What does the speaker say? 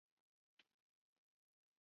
越南北部也有分布。